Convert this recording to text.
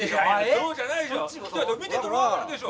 そうじゃないでしょ